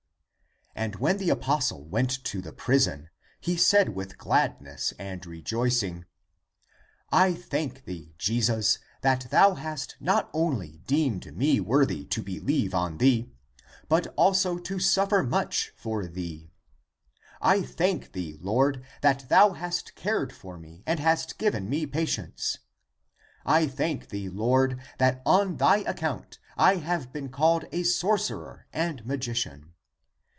And when the apostle went to the prison, he said with gladness and rejoicing, " I thank thee, Jesus, that thou hast not only deemed me worthy to believe on thee, but also to suffer much for thee. I thank thee. Lord, that thou hast cared for me and hast given me patience. I thank thee, Lord, that on thy account I have been called a sorcerer and magi cian.